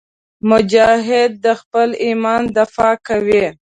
مجاهد د خپل ایمان دفاع کوي.